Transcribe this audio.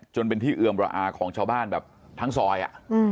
จนเป็นที่เอือมระอาของชาวบ้านแบบทั้งซอย